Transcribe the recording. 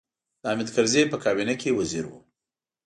د حامد کرزي په کابینه کې وزیر و.